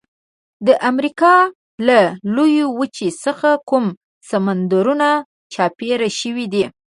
د امریکا له لویې وچې څخه کوم سمندرونه چاپیر شوي دي؟